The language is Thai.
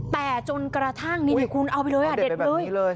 แต่จนกระทั่งนิดนึงเอาไปเลยอ่ะเด็ดไปแบบนี้เลย